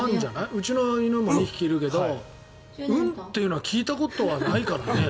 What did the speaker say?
うちの犬も２匹いるけどうんというのは聞いたことはないからね。